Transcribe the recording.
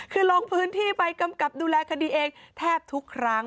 คือลงพื้นที่ไปกำกับดูแลคดีเองแทบทุกครั้ง